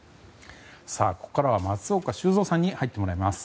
ここからは松岡修造さんに入ってもらいます。